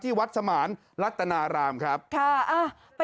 ที่วัดสมานลัตนารามครับค่ะอ้า